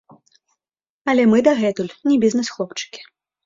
Але мы дагэтуль не бізнэс-хлопчыкі.